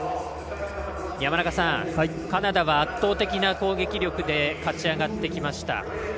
山中さん、カナダは圧倒的な攻撃力で勝ち上がりました。